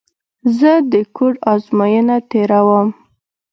زه د کوډ ازموینه تېره ووم.